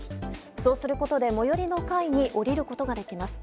そうすることで最寄りの階に降りることができます。